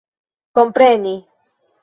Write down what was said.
kompreni